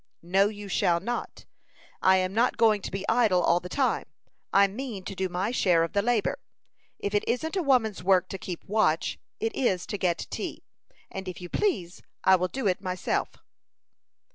"No, you shall not. I am not going to be idle all the time. I mean to do my share of the labor. If it isn't a woman's work to keep watch, it is to get tea; and if you please, I will do it myself."